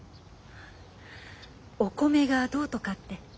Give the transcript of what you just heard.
お米がどうとかって。